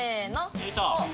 よいしょ。